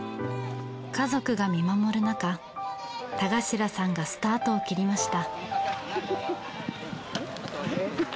家族が見守るなか田頭さんがスタートを切りました。